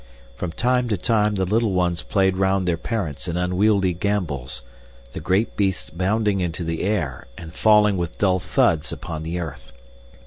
From time to time the little ones played round their parents in unwieldy gambols, the great beasts bounding into the air and falling with dull thuds upon the earth.